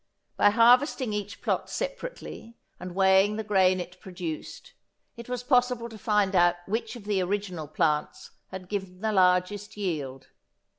By harvesting each plot separately, and weighing the grain it produced, it was possible to find out which of the original plants had given the largest yield.